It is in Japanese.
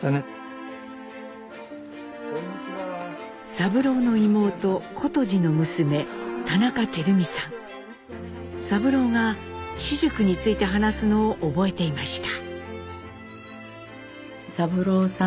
三郎の妹琴司の娘三郎が私塾について話すのを覚えていました。